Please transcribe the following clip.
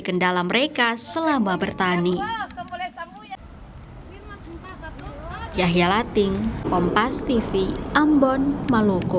kendala mereka selama bertani yahya latting kompas tv ambon maluku